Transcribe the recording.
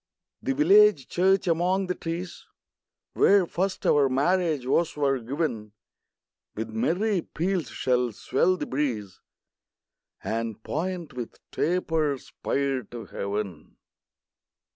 The village church, among the trees, Where first our marriage vows were giv'n, With merry peals shall swell the breeze, And point with taper spire to heav'n.